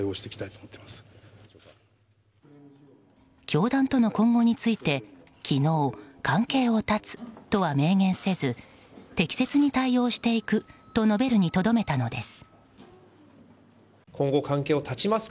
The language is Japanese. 教団との今後について昨日、関係を断つとは明言せず適切に対応していくと述べるにとどめたのです。